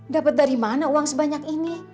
dapat dari mana uang sebanyak ini